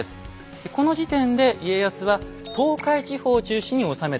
この時点で家康は東海地方を中心に治めていました。